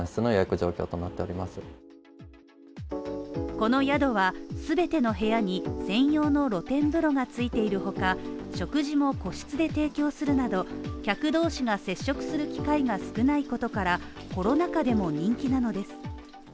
この宿は全ての部屋に専用の露天風呂が付いている他食事も個室で提供するなど客同士が接触する機会が少ないことからコロナ禍でも人気なのです。